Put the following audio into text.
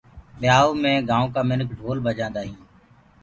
ٻيآئوٚ مي گآئونٚ ڪآ منک ڍول بجآندآ هينٚ۔